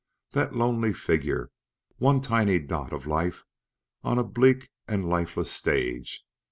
That lonely figure one tiny dot of life on a bleak and lifeless stage!